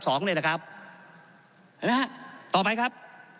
เห็นไหมครับต่อไปครับ